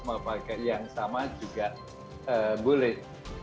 mau pakai yang sama juga boleh